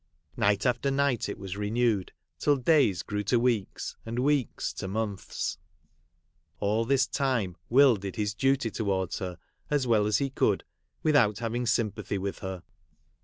Night after night it was renewed, till days grew to weeks and weeks to months. All this time Will did his duty towards her as well as he could, without having sympathy with her.